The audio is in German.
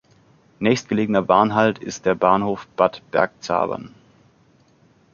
Nächstgelegener Bahnhalt ist der Bahnhof Bad Bergzabern.